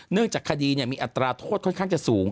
เนื่องจากคดีมีอัตราโทษข้อนข้างจะสูง